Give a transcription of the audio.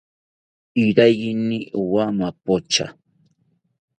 Iraiyini owa mapocha